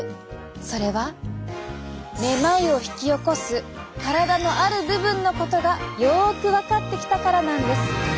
それはめまいを引き起こす体のある部分のことがよく分かってきたからなんです。